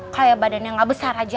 kayak badannya nggak besar aja